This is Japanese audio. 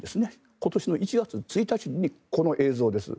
今年の１月１日にこの映像です。